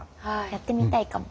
やってみたいかも。